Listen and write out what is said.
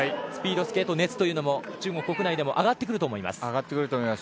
スピードスケート熱というのも中国国内でも上がってくると思います。